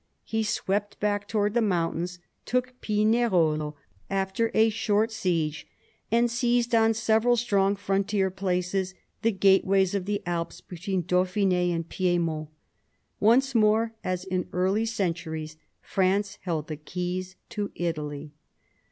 He swept back towards the mountains, took Pinerolo after a short siege, and seized on several strong frontier places, the gateways of the Alps between Dauphine and Piedmont. Once more, as in earlier centuries, " France held the keys of Italy."